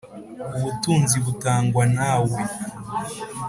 Ubutunzi butangwa nawe